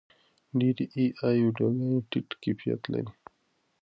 ډېرې اې ای ویډیوګانې ټیټ کیفیت لري.